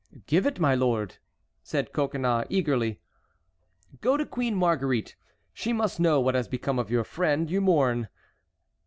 "Give it, my lord," said Coconnas, eagerly. "Go to Queen Marguerite. She must know what has become of the friend you mourn."